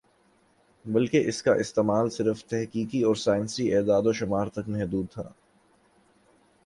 بلکہ اس کا استعمال صرف تحقیقی اور سائنسی اعداد و شمار تک محدود تھا